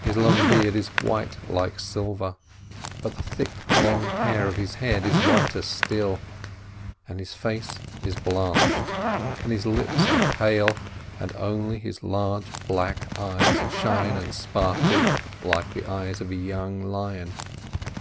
His long beard is white like silver, but the thick, long hair of his head is whiter still, and his face is blanched, and his lips are pale, and only his large black eyes shine and sparkle like the eyes of a young lion.